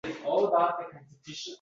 Talabalardan bir qadam oldinda boʻlishdi